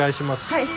はい。